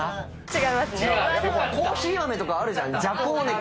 違いますね。